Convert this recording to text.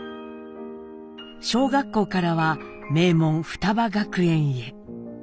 小学校からは名門雙葉学園へ。